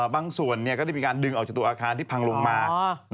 บางส่วนก็ได้มีการดึงออกจากตัวอาคารที่พังลงมา